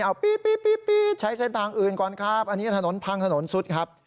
เอาปี๊ดใช้เส้นทางอื่นก่อนครับอันนี้ถนนพังถนนสุดครับ